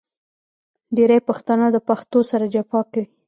ډېری پښتانه د پښتو سره جفا کوي .